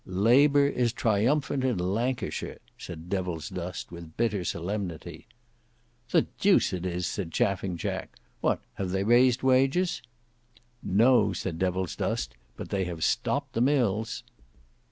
"Labour is triumphant in Lancashire," said Devilsdust with bitter solemnity. "The deuce it is," said Chaffing Jack. "What, have they raised wages?" "No," said Devilsdust, "but they have stopped the mills."